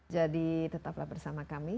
jadi tetaplah bersama kami